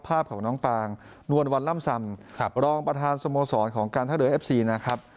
ภาพของน้องปางนวลวันล่ำซำรองประธานสโมสรของการท่าเรือเอฟซีนะครับ